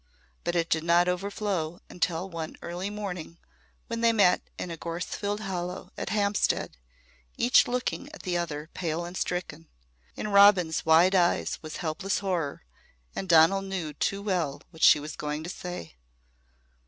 But it did not overflow until one early morning when they met in a gorse filled hollow at Hampstead, each looking at the other pale and stricken. In Robin's wide eyes was helpless horror and Donal knew too well what she was going to say.